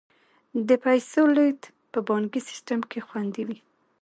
د پیسو لیږد په بانکي سیستم کې خوندي وي.